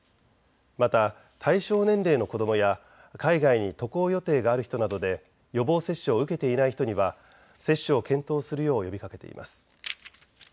また対象年齢の子どもや海外に渡航予定がある人などで予防接種を受けていない人には接種を検討するよう呼びかけています。